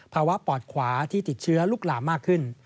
ปอดขวาที่ติดเชื้อลุกลามมากขึ้น